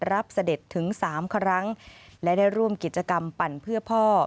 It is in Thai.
เสด็จถึง๓ครั้งและได้ร่วมกิจกรรมปั่นเพื่อพ่อ